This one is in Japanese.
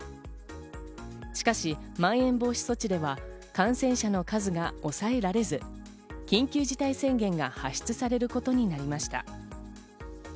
しかし、まん延防止措置では感染者の数が抑えられず、緊急事態宣言が発出されることになりました。